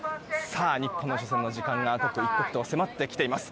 日本の初戦の時間が刻一刻と迫ってきています。